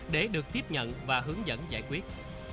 để được tiếp nhận và hướng dẫn giải quyết